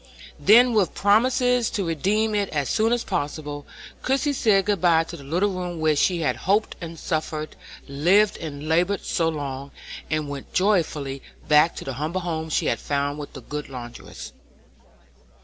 Then, with promises to redeem it as soon as possible, Christie said good bye to the little room where she had hoped and suffered, lived and labored so long, and went joyfully back to the humble home she had found with the good laundress.